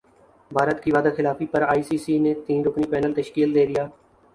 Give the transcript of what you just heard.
بھارت کی وعدہ خلافی پر ائی سی سی نے تین رکنی پینل تشکیل دیدیا